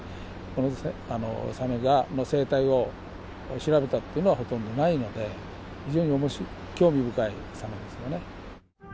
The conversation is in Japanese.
このサメの生態を調べたっていうのはほとんどないので非常に興味深いサメですよね。